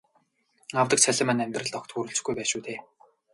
Авдаг цалин маань амьдралд огт хүрэлцэхгүй байна шүү дээ.